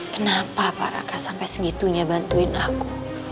kenapa pak raka sampai segitunya bantuin aku